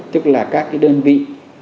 tức là các cái đơn vị